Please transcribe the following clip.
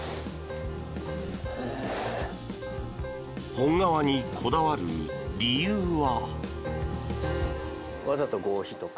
本革にこだわる理由は？